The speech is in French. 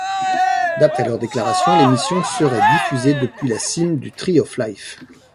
D'après leurs déclarations, l'émission serait diffusée depuis la cime du Tree of Life.